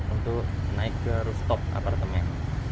untuk naik ke rooftop apartemen